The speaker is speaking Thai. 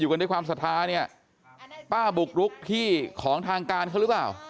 กันด้วยความศรัทธาเนี่ยป้าบุกรุกที่ของทางการเขาหรือเปล่า